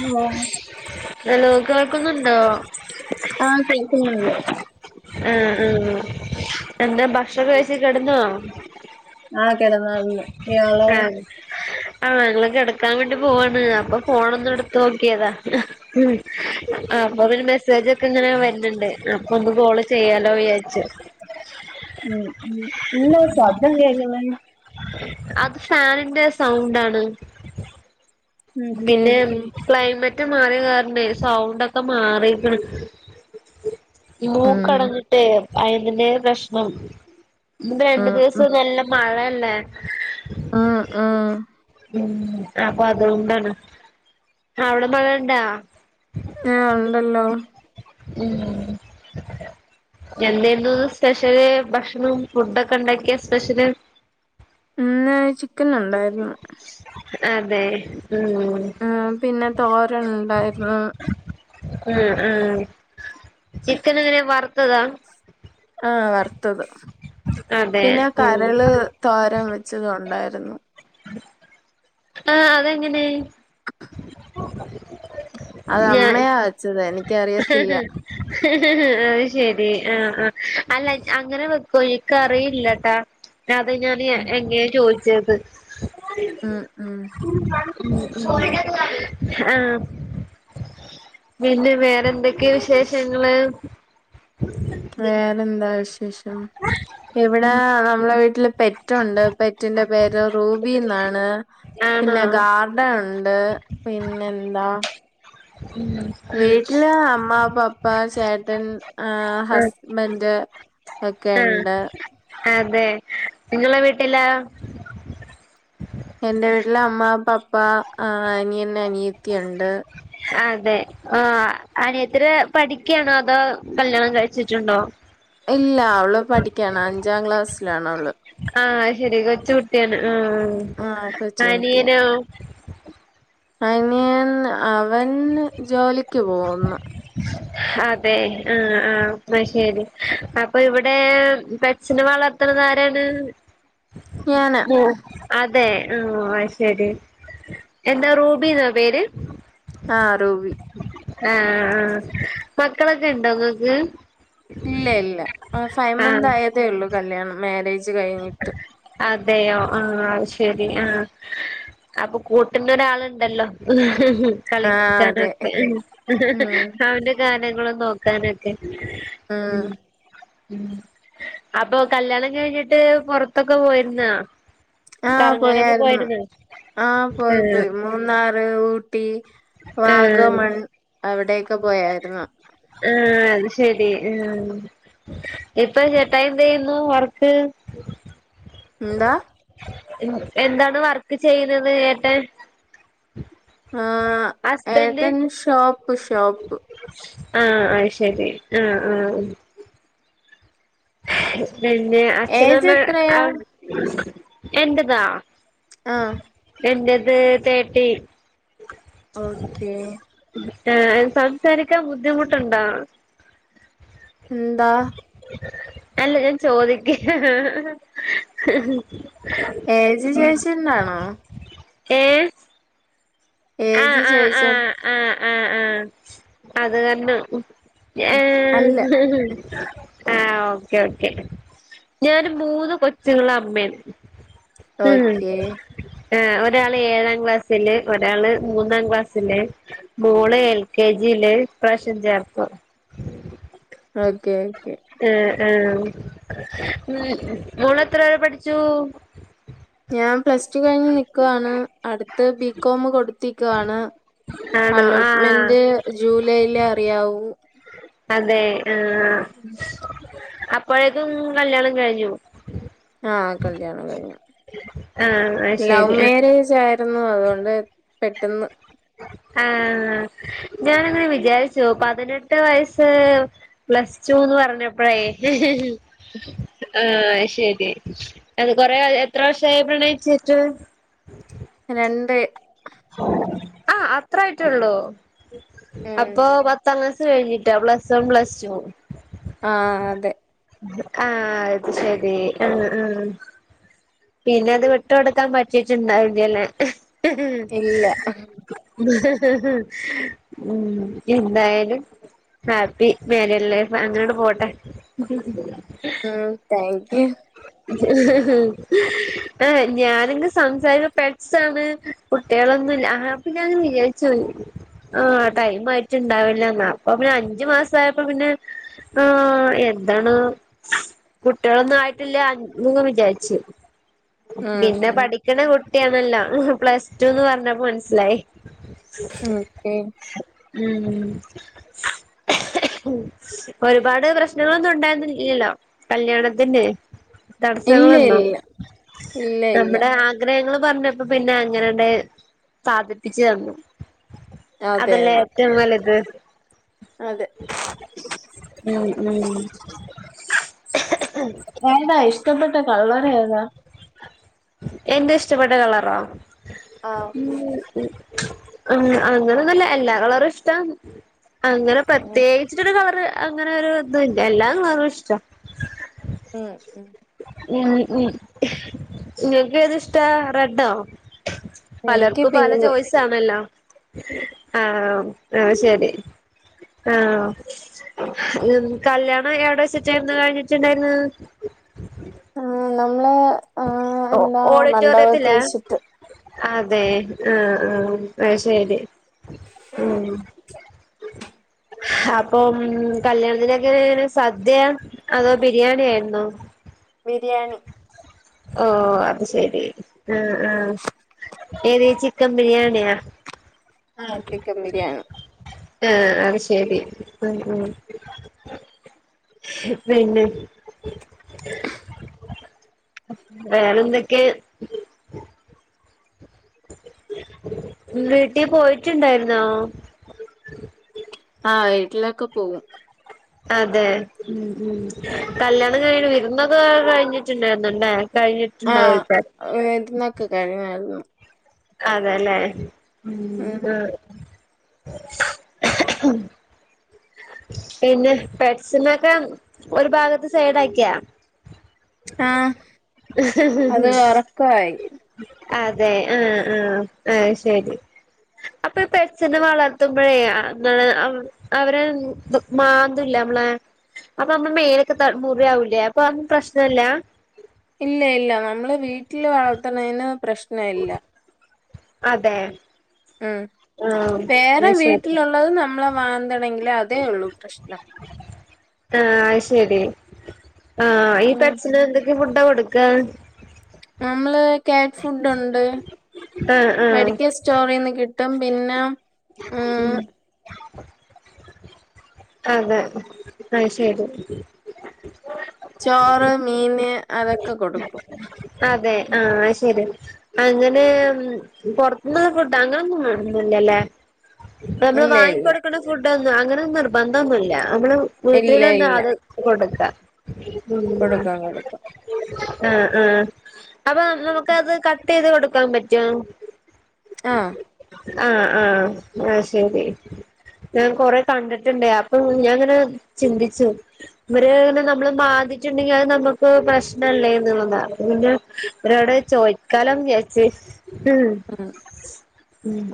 Hello hello കേൾക്കുന്നുണ്ടോ? ആഹ് കേൾകുന്നുണ്ട്. ആഹ് ആഹ്. എന്താ ഭക്ഷണൊക്ക കഴിച്ച് കെടന്നോ? ആഹ് കെടന്നാർന്ന്. ആഹ്. ആഹ് ഞങ്ങള് കെടക്കാൻ വേണ്ടി പോവാണ്. അപ്പം ഫോണൊന്ന് ഇട്ത്തോക്ക്യതാ. ആപ്പൊ പിന്നെ മെസ്സേജ് ഒക്കെ ഇങ്ങനെ വര്ന്ണ്ട്. അപ്പൊ ന്ന് കോള് ചെയ്യാലോ വിചാരിച്ച്. ഉം ഉം. എന്താ സബ്ദം കേക്കുന്നെ? അത് ഫാനിന്റെ സൗണ്ടാണ്. ഉം പിന്നെം ക്ലൈമറ്റ് മാറിയ കാരണേ സൗണ്ട് ഒക്കെ മാറീക്ക്ണ്. ഇ ഉം മൂക്കടഞ്ഞിട്ടേ അയതിന്റെ പ്രശ്നം [unintelligible] രണ്ടു ഉം ദിവസം ഉം നല്ല മഴല്ലേ, ഉം ഉം ഉം അപ്പൊ അത് സൗണ്ടാണ്. ആ അവിടെ മഴ ഇണ്ടൊ. ആ ഉണ്ടല്ലോ. ഉം എന്തായിരുന്നു സ്പെഷ്യല്. ഭക്ഷണം ഫുഡൊക്കെ ഇണ്ടാക്കിയ സ്പെഷ്യല്. ഇന്ന് ചിക്കനുണ്ടായിരുന്നു. അതെ ഉം ഉം പിന്നെ തോരനുണ്ടായിരുന്നു. ഉം ഉം ചിക്കൻ എങ്ങനെ വറുത്തതാ. ആഹ് വറുത്തത്. അതെ പിന്നെ ഉം കരള് തോരൻ വെച്ചത് ഉണ്ടായിരുന്നു. ആഹ് അതെങ്ങനെ. അത് അമ്മയാ വെച്ചത് എനിക്കറി ഹ്ഹ്ഹ് അത് ശെരി. ആഹ് ആഹ് അല്ല അങ്ങനെ വെക്കോ ഇക്ക് അറീല്ലട്ട അത് ഞാൻ എങ്ങെയാ ചോയ്ച്ചത്. ഉം ഉം ഉം ആഹ്. പിന്നെ വേറെന്തക്കയാ വിശേഷങ്ങള്. വേറെന്താ വിശേഷം. ഇവടെ നമ്മളെ വീട്ടില് പെറ്റൊണ്ട്. പെ റ്റിന്റെ പേര് റൂബി ഇന്നാണ് ആണോ പിന്നെ ഗാർ ഡൻ ഇണ്ട് പിന്നെ എന്താ. ഉം വീട്ടില് അമ്മ, പപ്പ, ചേട്ടൻ, ആഹ് ആ ഹസ്ബൻ്റ്, ഒക്കെ ആ ഇണ്ട്. അതെ നിങ്ങളെ വീട്ടിലാ. എന്റെ വീട്ടില് അമ്മ, പപ്പ, ആഹ് അനിയൻ, അനിയത്തി, ഉണ്ട്. ആതെ ആഹ് അനിയത്തിരെ പഠിക്കാണോ അതോ കല്യാണം കഴിച്ചിട്ടുണ്ടോ. ഇല്ല അവള് പഠിക്ക്യാണ്. അഞ്ചാം ക്ലാസ്സിലാണ് അവള്. ആഹ് ശെരി. കൊച്ച് കുട്ട്യാണ്. ആഹ്. ആഹ് കൊച്ചു കുട്ടിയാ അനിയനോ. അനിയൻ അവൻ ജോലിക്ക് പോകുന്ന്. അതെ. ആഹ് ആഹ് ശരി. അപ്പൊ ഇവിടെ പെ സിനിമ വളർത്ത്ണതാരാണ് ഞാന് [unintelligible] അതെ. ആഹ് അത് ശെരി. എന്താ റൂബി ഇന്നാ പേര്. ആഹ് റൂബി ആഹ് ആഹ്. മക്കളൊക്കെ ഉണ്ടോ ഇങ്ങക്ക്. ഇല്ല ഇല്ല. ആഹ് ഫൈവ് മന്ത് ആഹ് ആയതേ ഒള്ളു കല്യാണം മേരേജ് കഴിഞ്ഞിട്ട്. അതേയോ. ആഹ് അത് ശെരി ആഹ്. അപ്പൊ കൂട്ടിന്നൊരാള് ഇണ്ടല്ലൊ. ആ അതെ കളിക്ക്ക്കാനൊക്കെ ഉം അവന്റെ കാര്യങ്ങളു നോക്കാന ക്കെ ഉം ഉം. അപ്പൊ കല്യാണം കഴിഞ്ഞി ട്ട് പൊറത്തൊക്കെ പോയിര്ന്നാ. ആഹ് പോയാരുന്നു. ആഹ് പോയി ആഹ് പോയി. മൂ മൂന്നാറ്, ഊട്ടി, ആഹ് വാഗമൺ അവിടെ ഒക്ക പോയാരുന്നു. ആഹ് അത് ശെരി. ഉം ഇപ്പം ചേട്ടായി എന്ത് ചെയ്യുന്നു വർക്ക് ഇന്താ എൻ എന്താണ് വർക്ക് ചെയ്യുന്നത് ഏട്ടൻ. ആഹ് ഹസ്ബൻഡ് ഏട്ടൻ ഷോപ്പ് ഷോപ്പ് ആഹ് അയ് ശെരി ആഹ് ആഹ് പിന്നെ അച്ഛനും ഏജ് എത്രയാ അമ്മേം [unintelligible] എൻ്റതാ ആ എൻ്റത് തേട്ടീ ഓക്കേ ഏഹ് സംസാരിക്കാൻ ബുദ്ധിമുട്ട് ണ്ടോ? ന്താ? അല്ല ഞാൻ ചോദിക്കയാ ഏജ് ചോയിച്ചൊണ്ടാണോ? ഏഹ് ആഹ് ഏജ് ആഹ് ചോയിച്ചോ ആഹ് ആഹ് ആഹ് ആഹ് അത് കരണം ഞാ അല്ല ആഹ് ആഹ്ഓക്കെ ഓക്കെ ഞാന് മൂന്ന് കൊച്ചുങ്ങള അമ്മേണ്. ഉം ഓക്കെ ആഹ് ഒരാള് ഏഴാം ക്ലാസ്സില് ഒരാള് മൂന്നാം ക്ലാസിലെ മോള് എൽ കെ ജി ല് ഇപ്രാവശ്യം ചേർത്തു. ഓക്കെ ആഹ് ആഹ് ഉം മോളെത്ര വരെ പഠിച്ചു? ഞാം പ്ലസ് ടു കഴിഞ്ഞ് നിക്കുകാണ് അടുത്തഅ് ബി കോമ് കൊടുത്തിക്കുകാണ്. ആണോ ആഹ് അലോട്ട്മെന്റ് ജൂലൈലേ അറിയാവൂ. അതെ ആഹ് അപ്പൊഴേക്കും കല്യാണം കഴിഞ്ഞു. ആഹ് കല്യാണം കയിഞ്ഞു. ആഹ് അത് ലൗ ശരി ആഹ് മേരേജാ. ര്ന്നു അത് കൊണ്ട് പെട്ടെന്ന് ആഹ് ഞാനങ്ങനെ വിചാര്ച്ചു പതിനെട്ട് വയസ്സ് പ്ലസ് ടുന്ന് പറഞ്ഞപ്പഴേ ആഹ് ശരി അത് കൊറെ എത്ര വർഷായി പ്രണയിച്ച്ട്ട്? രണ്ട്. ആഹ് അത്രായിട്ടൊള്ളൂ. ഉം അപ്പൊ പത്താം ക്ലാസ് സ് കയ്ഞ്ഞിട്ടൊ പ്ലസ് വൺ പ്ലസ് ടു ആഹ് അതെ ആഹ് അത് ശരി അ അ പിന്നത് വിട്ട് കൊട്ക്കാൻ പറ്റീട്ട്ണ്ടാവില്ലലേ. ഇല്ല ഉം ഇന്തായാലും ഹാപ്പി മാരീഡ് ലൈഫ് അങ്ങനാണ്ട് പോട്ടെ ആഹ് താങ്ക് യൂ. ആഹ് ഞാനങ് സംസാരി പെറ്റ്സാണ് കുട്ട്യളൊന്നുല്ല ആഹാ അപ്പ ഞാനങ്ങ് വിചാരിച്ചോയി ആഹ് ടൈമായിട്ട്ണ്ടാവില്ലാന്ന് അപ്പൊ പിന്നെ അഞ്ച് മാസയപ്പൊ പിന്നെ ആഹ് എന്താണ് കുട്ട്യളൊന്നും ആയിട്ടില്ല ങ്ങ് വിചാര്ച്ച്. ഉം പിന്നെ ഉം പഠിക്ക്ണ കുട്ട്യാണല്ലോ പ്ലസ് ടുന്ന് പർഞ്ഞപ്പോ മൻസ്സിലായി. ഓക്കെ ഉം ഒര്പാട് പ്രശ്നങ്ങളൊന്നുണ്ടായിര്ന്നില്ലല്ലോ കല്ല്യാണത്തിന്ന്? ഇല്ല തടസ്സങ്ങളുണ്ടോ? ഇല്ല ഇല്ല ഇല്ല നമ്മുടെ ആഗ്രഹങ്ങള് പർഞ്ഞപ്പൊ പിന്നെ അങ്ങനാണ്ട് സാധിപ്പിച്ച് തന്നു. അതെ അതല്ലേ അതെ ഏറ്റവും വലുത്. അതെ ഉം ഉം ഏതാ ഇഷ്ടപ്പെട്ട കളറേതാ? എന്റെ ഇഷ്ടപ്പെട്ട കളറോ? ആഹ് ഉം അ അങ്ങനൊന്നുല്ല എല്ലാ കളറുഷ്ടാന്ന് അങ്ങനെ ഉം പ്രത്യേ കിച്ച്ട്ടൊര് കളറ് അങ്ങനൊര് ഇതില്ല എല്ലാ കളറുഷ്ട ഉം ഉം ഉം ഉം ഇങ്ങക്കേത്ഷ്ടാ റെഡോ? എനിക്ക് പലർക്കും പല പിങ്ക് ചോയ്സാണല്ലോ ആഹ് അഹ് ശരി ആഹ് എ കല്യാണം എവിടെ വെച്ചിട്ടായിര്ന്നു കയ്ഞ്ഞിട്ട്ണ്ടായിര്ന്നത്? ആഹ് നമ്മളെ ആ ഓ എന്താ മണ്ഡപത്ത് ഓഡിറ്റോറിയത്തിലാ വെച്ചിട്ട് അതെ ആഹ് ആഹ് അഹ് ശരി ഉം അപ്പം കല്യാണത്തിനൊക്കെങ്ങനേണ് സദ്യ അതോ ബിരിയാണി ആയിര്ന്നോ? ബിരിയാണി ഓഹ് അത് ശരി ആഹ് ആഹ് ഏത് ചിക്കൻ ബിരിയാണിയാ? ആഹ് ചിക്കൻ ബിരിയാണി ആഹ് അത് ശരി ആഹ് ആഹ് പിന്നെ വേറെന്തൊക്കെ? വീട്ടി പോയിട്ട്ണ്ടായിര്ന്നോ? ആഹ് വീട്ടിലൊക്കെ പോവും അതെ ഉം ഉം കല്യാണം കഴിഞ്ഞ് വിര്ന്നൊക്കെ കഴിഞ്ഞിട്ട്ണ്ടായിരുന്നുല്ലേ കഴിഞ്ഞി ആഹ് വിര്ന്നൊക്കെ കഴിഞ്ഞാര്ന്നു അതേല്ലേ? ഉം പിന്നെ പെറ്റ്സിന്നൊക്കെ ഒരു ഭാഗത്ത് സൈടാക്കിയാ? ആഹ് അവര് ഒറക്കവായി അതെ ആഹ് ആഹ് അയ്ശരി അപ്പം ഈ പെറ്റ്സിനെ വളർത്തുമ്പഴേ, എന്താണ് അവര് ന്ത്‌ മാന്തില്ലെ നമ്മളെ? അപ്പൊ അമ്മളെ മേലൊക്കെ ത മുറിയാവൂലേ അപ്പതൊന്നും പ്രശ്നല്ല ഇല്ലയില്ല നമ്മള് വീട്ടില് വളർത്തണേന് പ്രശ്ന ഇല്ല അതെ ആഹ് ആ വേറെ അത് ശരി വീട്ടിലുള്ളത് നമ്മളെ മാന്തണെങ്കില് അതേ ഒള്ളൂ പ്രശ്നം ആഹ് അയ്ശരി ആഹ് ഈ ഉം പെറ്റ്സിന് ക എന്ത്‌ ഫുഡ കൊടുക്ക? നമ്മള് കാറ്റ് ഫുഡുണ്ട് ആഹ് ആഹ് മെഡിക്ക സ്റ്റോളിന്ന് കിട്ടും പിന്നെ ഉം അതെ അയ്ശരി ചോറ് മീന് അതൊക്കെ കൊടുക്കും അതെ ആഹ് അഹ്ശരിയാണ് അങ്ങനെ പൊർത്ത്ന്ന് ഫുഡ് അങ്ങനൊന്നും വേണംന്നില്ലല്ലേ? നമ്മള് ഇല്ല ഇല്ല വാങ്ങിക്കൊട്ക്ക്ണ ഫുഡൊന്നും അങ്ങനെ നിർബന്ധൊന്നുല്ല. നമ്മള് ഇല്ല വീട്ടിലെന്താ ഇല്ല അത് കൊടുക്കാ. കൊടുക്കാം കൊടുക്കാം ആഹ് ആഹ്. അപ്പൊ നമുക്കത് കട്ടെയ്ത് കൊടുക്കാൻ പറ്റോ? ആഹ് ആഹ് ആഹ് അയ്ശേരി. ഞാൻ കൊറേ കണ്ടിട്ടുണ്ടേയ്. അപ്പൊ ഞാൻങ്ങനെ ചിന്തിച്ചു. വര്ങ്ങനെ നമ്മളെ മാന്തീട്ടുണ്ടെങ്കി അത് നമുക്ക് പ്രശ്നല്ലേന്ന്ള്ളത്. പിന്നെ വ്രോടെ ചോയ്ക്കാലോന്ന് വിചാരിച്ച്. ഉം ഉം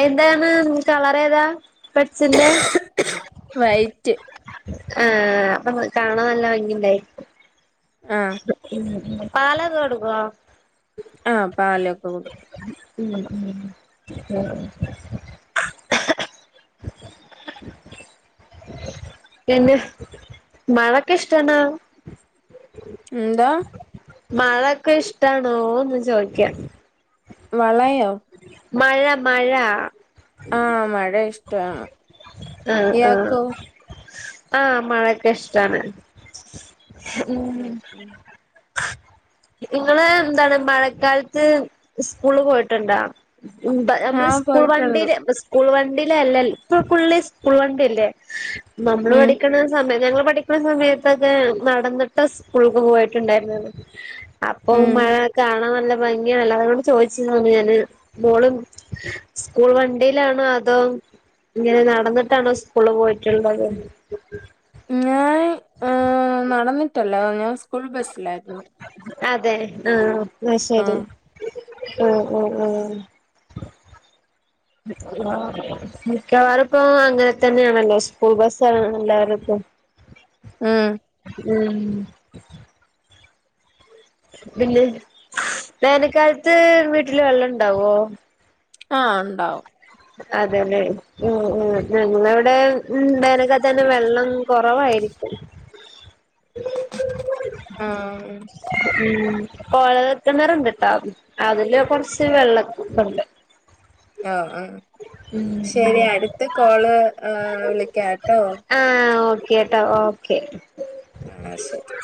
എയ്ന്താണ് കളറേതാ.? പെട്സിന്റെ വൈറ്റ് ഏഹ് അപ്പൊ കാണാ നല്ല ഭംഗിണ്ടായിര്ക്കും. ആഹ് പാലൊക്കെ കൊട്ക്കോ? ആഹ് പാലൊക്കെ കൊടു ഉം പിന്നെ മഴക്കിഷ്ടണാ. എ ന്താ മഴൊക്കിഷ്ടാണോന്ന് ചോയ്ക്കാ. വളയോ മഴ മഴ ആഹ് മഴ ഇഷ്ടാണ്. ആഹ് ആഹ് ഇയാക്കോ ആഹ് മഴൊക്കിഷ്ടാണ്. ഉം ഇങ്ങള് ന്താണ് മഴക്കാല്ത്ത് സ്കൂളി പോയിട്ടുണ്ടാ? അമ്മള് ആഹ് സ്കൂൾ പോയിട്ടുണ്ട് വണ്ടീല് പ്പ സ് സ്കൂൾ വണ്ടീലല്ല. പ്പ ഫുള്ള് ഇസ്കൂൾ വണ്ടീലല്ലേ. നമ്മള് ഉം പഠിക്കണ സമയ ഞങ്ങള് പഠിക്ക്ണ സമയത്തൊക്കെ നടന്നിട്ട സ്കൂൾക് പോയിട്ടുണ്ടായിര്ന്നത്. അപ്പൊ ഉം മഴ കാണാൻ നല്ല ഭംഗിയാണല്ല. അതുകൊണ്ട് ചോദിച്ചതാണ് ഞാന്. മോള് സ്കൂൾ വണ്ടീലാണോ.? അതോ ഇങ്ങനെ നടന്നിട്ടാണോ സ്കൂള്ല് പോയിട്ടുള്ളത്. ഞാൻ ഏഹ് നടന്നിട്ടല്ല. ഞാ അതെ ആഹ് അത്ശരി. ആഹ് ഉം ഉം ഉം ആഹ്. മിക്കവാറിപ്പോ അങ്ങനെ തന്നെയാണല്ലോ സ്കൂൾ ബസ്സാണ് എല്ലായിടത്തും. ഉം ഉം പിന്നെ വേനക്കാലത്ത് വീട്ടില് വെള്ളണ്ടാവോ? ആഹ് ണ്ടാവും. അതെല്ലെ. ഉം ഉം ഞങ്ങളിവിടെ ഉം വേനൽക്കലത്ത് തന്നെ വെള്ളം കുറവായിരിക്കും. ഉം ആഹ്. ഉം കോഴൽക്കിണറുണ്ട്ട്ടോ അതില് കൊറച്ച് വെള്ളക്കണ്ട്. ആഹ് ആഹ് ഉം ശരി അടുത്ത കോള് വിളിക്കാട്ടോ. ആഹ് ഓക്കെ ട്ടോ ഓക്കെ. ആഹ് ശരി